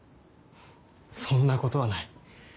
そんなことはない。